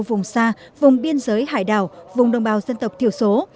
vùng xa vùng biên giới hải đảo vùng đồng bào dân tộc thiểu số